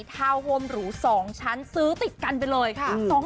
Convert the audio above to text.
โฮมหรู๒ชั้นซื้อติดกันไปเลยค่ะ